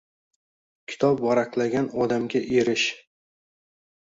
Kitob varaqlagan odamga erish.